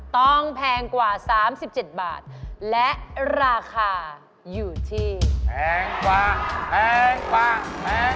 ต้องแพงกว่า๓๗บาทและราคาอยู่ขายอยู่ที่